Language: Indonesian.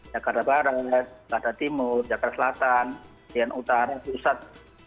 jakarta barat jakarta timur jakarta selatan jalan utara jusat